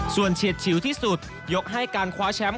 ส่วนเฉียดฉิวที่สุดยกให้การคว้าแชมป์